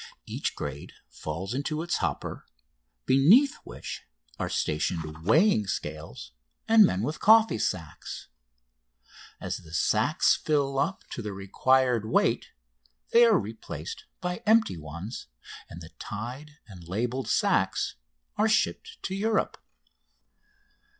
Each grade falls into its hopper, beneath which are stationed weighing scales and men with coffee sacks. As the sacks fill up to the required weight they are replaced by empty ones, and the tied and labelled sacks are shipped to Europe.